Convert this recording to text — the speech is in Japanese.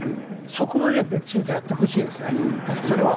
そこまできちんとやってほしいですね。